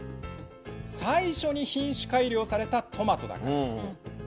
最初に品種改良されたトマトだから。